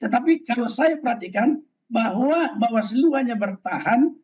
tetapi kalau saya perhatikan bahwa bawaslu hanya bertahan